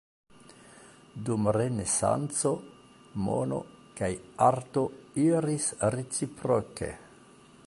Dum Renesanco, mono kaj arto iris reciproke.